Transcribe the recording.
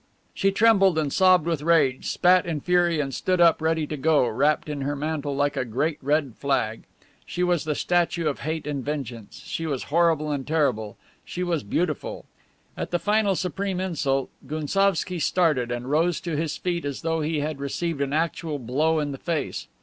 She trembled and sobbed with rage, spat in fury, and stood up ready to go, wrapped in her mantle like a great red flag. She was the statue of hate and vengeance. She was horrible and terrible. She was beautiful. At the final supreme insult, Gounsovski started and rose to his feet as though he had received an actual blow in the face.